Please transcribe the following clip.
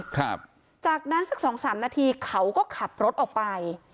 ครับจากนั้นสักสองสามนาทีเขาก็ขับรถออกไป